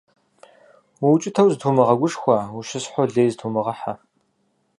УукӀытэу зытумыгъэгушхуэ, ущысхьу лей зытумыгъэхьэ.